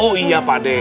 oh iya pade